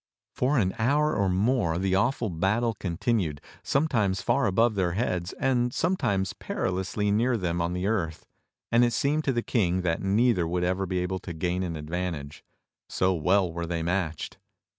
For an hour or more the awful battle continued, sometimes far above their heads, and sometimes perilously near them on the earth; and it seemed to the King that neither would ever be able to gain an advantage — so well were they matched.